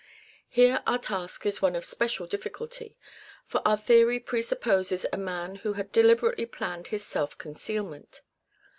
Here our task is one of special difficulty, for our theory presupposes a man who had deliberately planned his self concealment.